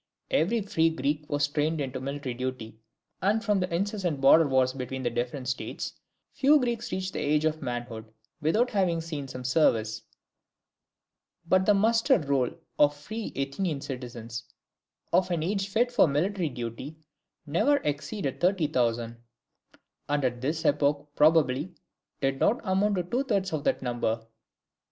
Every free Greek was trained to military duty: and, from the incessant border wars between the different states, few Greeks reached the age of manhood without having seen some service. But the muster roll of free Athenian citizens of an age fit for military duty never exceeded thirty thousand, and at this epoch probably did not amount to two thirds of that number.